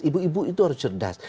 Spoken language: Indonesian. ibu ibu itu harus cerdas